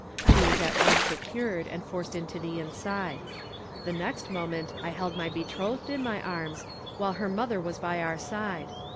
She was at once secured and forced into the inside. The next moment I held my betrothed in my arms, while her mother was by our side.